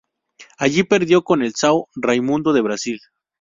Allí perdió con el Sao Raimundo de Brasil.